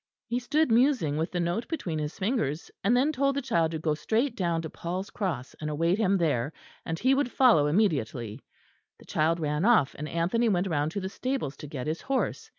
He stood musing with the note between his fingers, and then told the child to go straight down to Paul's Cross and await him there, and he would follow immediately. The child ran off, and Anthony went round to the stables to get his horse.